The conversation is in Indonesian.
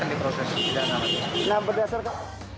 ini akan diproses